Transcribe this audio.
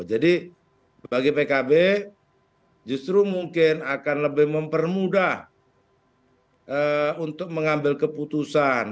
jadi bagi pkb justru mungkin akan lebih mempermudah untuk mengambil keputusan